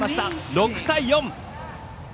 ６対４！